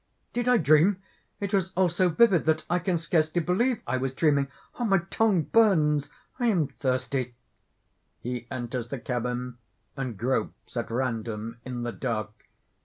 _) "Did I dream? It was all so vivid that I can scarcely believe I was dreaming! My tongue burns. I am thirsty." (_He enters the cabin, and gropes at random in the dark.